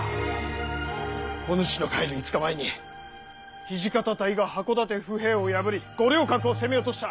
お主の帰る５日前に土方隊が箱館府兵を破り五稜郭を攻め落とした。